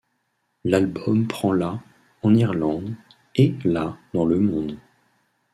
L'album prend la en Irlande, et la dans le monde.